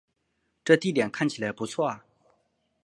这地点看起来不错啊